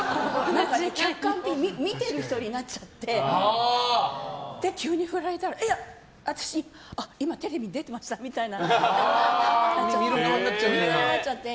客観的に見てる人になっちゃってで、急に振られたらああ、私今、テレビに出てましたみたいになっちゃって。